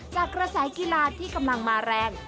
กระแสกีฬาที่กำลังมาแรง